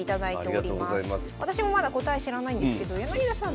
私もまだ答え知らないんですけど柳田さん